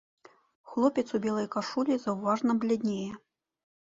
Хлопец у белай кашулі заўважна бляднее.